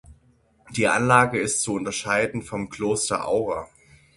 Die Anlage ist zu unterscheiden vom Kloster Aura.